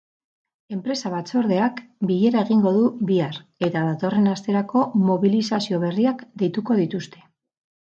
Enpresa batzordeak bilera egingo du bihar eta datorren asterako mobilizazio berriak deituko dituzte.